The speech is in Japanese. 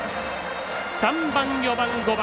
３番、４番、５番。